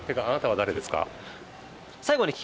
あなたは誰ですか？